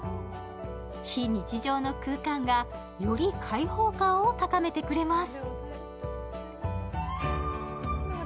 非日常の空間がより開放感を高めてくれます。